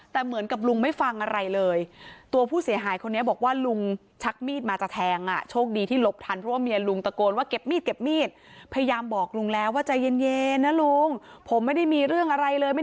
แต่เหมือนกับลุงไม่ฟังอะไรเลย